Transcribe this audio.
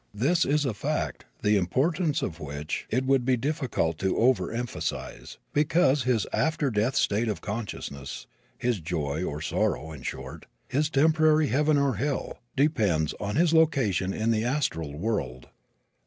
This is a fact the importance of which it would be difficult to over emphasize, because his after death state of consciousness, his joy or sorrow in short, his temporary heaven or hell, depends upon his location in the astral world.